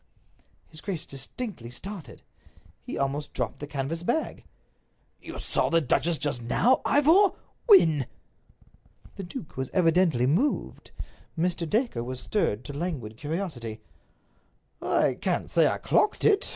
His grace distinctly started. He almost dropped the canvas bag. "You saw the duchess just now, Ivor! When?" The duke was evidently moved. Mr. Dacre was stirred to languid curiosity. "I can't say I clocked it.